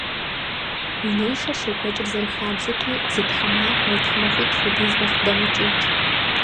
Унэишэр щекӀуэкӀыр, зэрыхабзэти, зы тхьэмахуэ е тхьэмахуитӀ хуэдиз нэхъ дэмыкӀыут.